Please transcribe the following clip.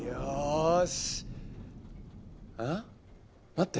待って。